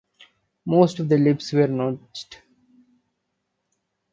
Most of the lips were notched.